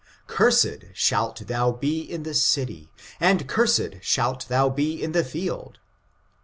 Cursed shalt thou be in the city, and cursed shalt thou be in the field.